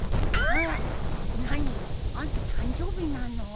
あんた誕生日なの？